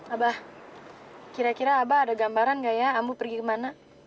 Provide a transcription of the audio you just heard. abah kira kira abah ada gambaran nggak ya amu pergi kemana